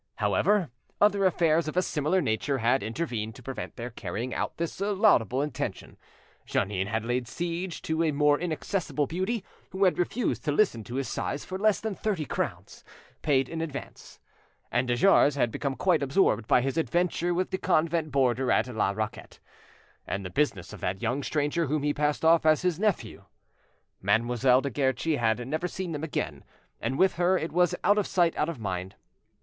However, other affairs of a similar nature had intervened to prevent their carrying out this laudable intention; Jeannin had laid siege to a more inaccessible beauty, who had refused to listen to his sighs for less than 30 crowns, paid in advance, and de Jars had become quite absorbed by his adventure with the convent boarder at La Raquette, and the business of that young stranger whom he passed off as his nephew. Mademoiselle de Guerchi had never seen them again; and with her it was out of sight out of mind.